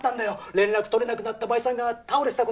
連絡取れなくなったバイトさんが倒れてたことが。